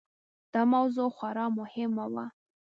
دا موضوع خورا مهمه وه.